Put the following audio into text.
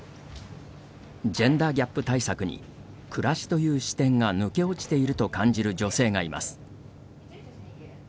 ジェンダーギャップ対策に暮らしという視点が抜け落ちていると感じる女性がいます。